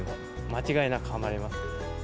間違いなく、はまりますね。